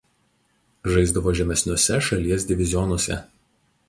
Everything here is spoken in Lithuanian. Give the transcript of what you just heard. Žaisdavo žemesniuose šalies divizionuose.